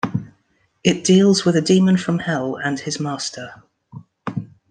It deals with a demon from Hell and his master.